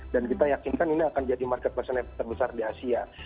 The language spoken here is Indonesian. dan kita yakinkan ini akan jadi marketplace terbesar di asia